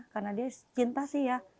karena dia cinta sih ya